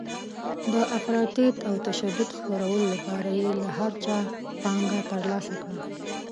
د افراطیت او تشدد خپرولو لپاره یې له هر چا پانګه ترلاسه کړه.